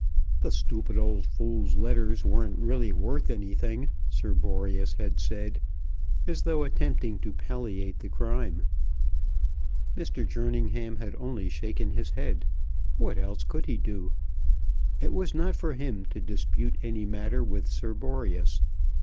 "The stupid old fool's letters weren't really worth anything," Sir Boreas had said, as though attempting to palliate the crime! Mr. Jerningham had only shaken his head. What else could he do? It was not for him to dispute any matter with Sir Boreas.